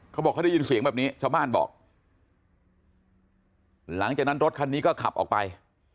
เขาบอกเขาได้ยินเสียงแบบนี้ชาวบ้านบอกหลังจากนั้นรถคันนี้ก็ขับออกไป